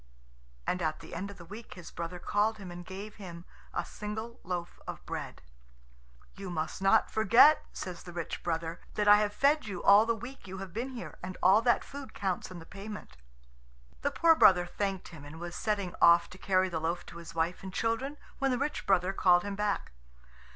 And at the end of the week his brother called him, and gave him a single loaf of bread. "You must not forget," says the rich brother, "that I have fed you all the week you have been here, and all that food counts in the payment." The poor brother thanked him, and was setting off to carry the loaf to his wife and children when the rich brother called him back.